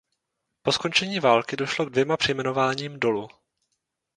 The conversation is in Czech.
Po skončení války došlo k dvěma přejmenováním dolu.